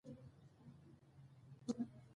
نفت د افغانستان د ولایاتو په کچه توپیر لري.